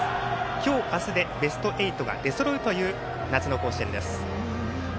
今日、明日でベスト８が出そろうという夏の甲子園。